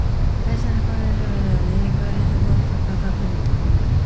Additional Chevrolet Assembly plants were located at Buffalo, New York and Oakland, California.